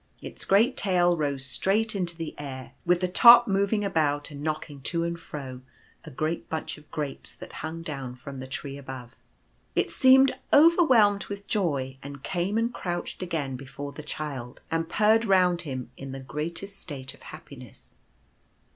Its great tail rose straight into the air, with the top moving about and knocking to and fro a great bunch of grapes that hung down from the tree above. It seemed over whelmed with joy, and came and crouched again before the Child, and purred round him in the greatest state of happiness.